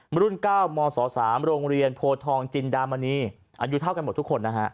รุ่น๙มศ๓โรงเรียนโพทองจินดามณีอายุเท่ากันหมดทุกคนนะฮะ